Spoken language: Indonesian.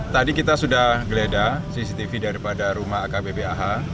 tadi kita sudah geledah cctv daripada rumah akbp ah